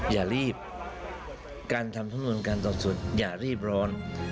อย่ารีบการทำทั้งหมดการต่อสุดอย่ารีบร้อน